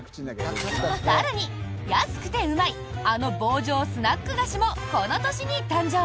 更に、安くてうまいあの棒状スナック菓子もこの年に誕生！